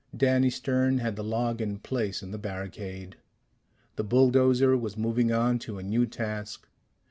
Danny Stern had the log in place in the barricade. The bulldozer was moving on to a new task.